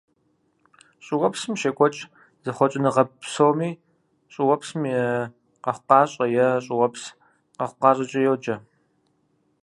ЩӀыуэпсым щекӀуэкӀ зэхъуэкӀыныгъэ псоми щӀыуэпсым и къэхъукъащӀэ е щӀыуэпс къэхъукъащӀэкӀэ йоджэ.